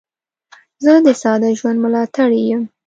زه د ساده ژوند ملاتړی یم.